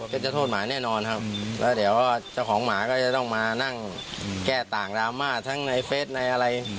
จะโทษหมาแน่นอนครับแล้วเดี๋ยวเจ้าของหมาก็จะต้องมานั่งแก้ต่างดราม่าทั้งในเฟสในอะไร